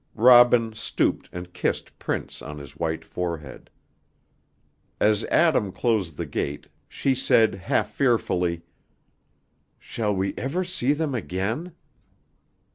Robin stooped and kissed Prince on his white forehead. As Adam closed the gate, she said half fearfully, "Shall we ever see them again?"